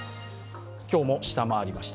今日も下回りました、